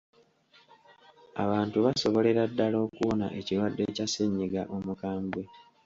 Abantu basobolera ddala okuwona ekirwadde kya ssennyiga omukambwe.